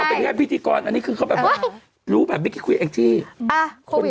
เออฟังมานิดนึงอ่านข่าว